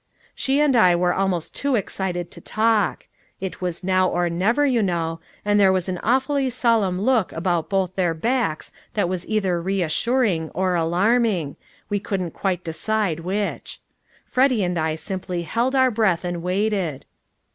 She and I were almost too excited to talk. It was now or never, you know, and there was an awfully solemn look about both their backs that was either reassuring or alarming we couldn't decide quite which. Freddy and I simply held our breath and waited.